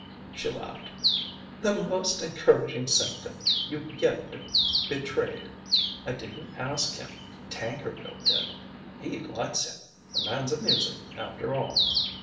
She laughed. "The most encouraging symptom you've yet betrayed!... I didn't ask him. Tankerville did. He likes him. The man's amusing, after all."